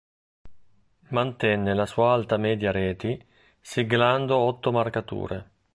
Mantenne la sua alta media reti, siglando otto marcature.